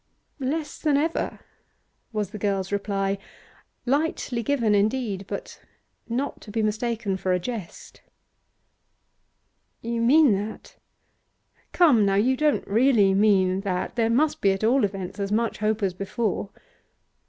'Less than ever,' was the girl's reply, lightly given, indeed, but not to be mistaken for a jest. 'You mean that? Come, now, you don't really mean that? There must be, at all events, as much hope as before.